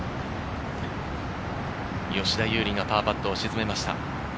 吉田優利がパーパットを沈めました。